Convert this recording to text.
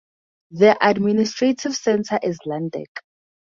The administrative center is Landeck.